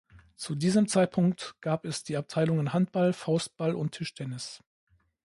Zu diesem Zeitpunkt gab es die Abteilungen Handball, Faustball und Tischtennis.